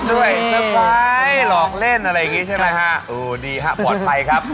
เซอร์ไพรส์หลอกเวลาเล่นอะไรน่ะใช่ไหมครับ